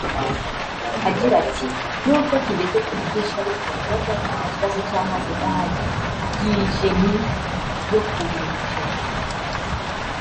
Agira ati “N’ubwo tugeze kuri byinshi ariko turacyafite ikibazo cy’amazi adahagijeni yo kuhira umuceri